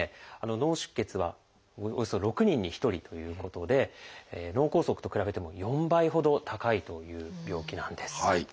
脳出血はおよそ６人に１人ということで脳梗塞と比べても４倍ほど高いという病気なんです。